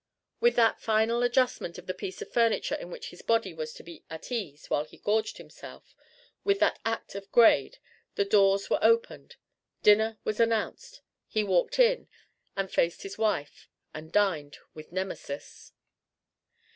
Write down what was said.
With that final adjustment of the piece of furniture in which his body was to be at ease while it gorged itself, with that act of grade, the doors were opened; dinner was announced; he walked in, and faced his wife, and dined with Nemesis.